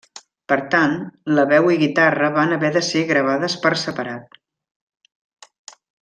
Per tant, la veu i guitarra van haver de ser gravades per separat.